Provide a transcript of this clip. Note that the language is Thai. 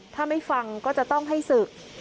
ถ้าไม่ฟังก็จะต้องให้ศึก